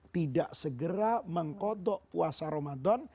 tidak segera mengkodok puasa ramadan